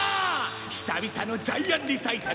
ひさびさのジャイアンリサイタル